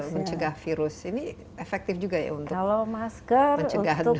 mencegah virus ini efektif juga ya untuk mencegah